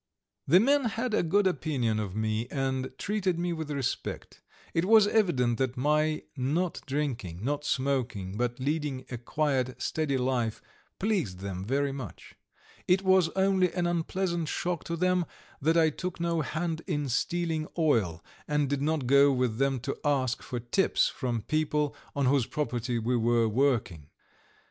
The men had a good opinion of me, and treated me with respect; it was evident that my not drinking, not smoking, but leading a quiet, steady life pleased them very much. It was only an unpleasant shock to them that I took no hand in stealing oil and did not go with them to ask for tips from people on whose property we were working.